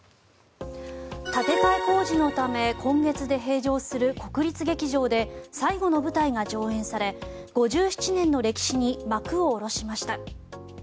建て替え工事のため今月で閉場する国立劇場で最後の舞台が上演され５７年の歴史に幕を下ろしました。